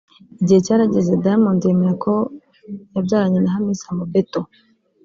Igihe cyarageze Diamond yemera ko yabyaranye na Hamisa Mobeto